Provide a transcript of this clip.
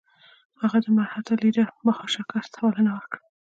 هغه د مرهټه لیډر بهاشکر ته بلنه ورکړه.